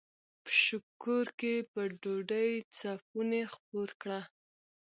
په شکور کښې په ډوډو څپُوڼے خپور کړه۔